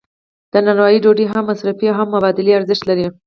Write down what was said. د نانوایی ډوډۍ هم مصرفي او هم مبادلوي ارزښت لري.